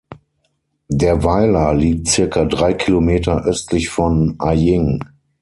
Der Weiler liegt circa drei Kilometer östlich von Aying.